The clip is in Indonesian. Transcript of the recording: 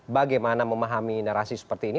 bagaimana memahami narasi seperti ini